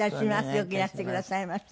よくいらしてくださいました。